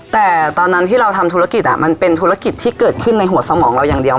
แต่ตอนนั้นที่เราทำธุรกิจมันเป็นธุรกิจที่เกิดขึ้นในหัวสมองเราอย่างเดียว